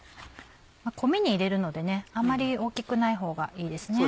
米に入れるのであまり大きくないほうがいいです。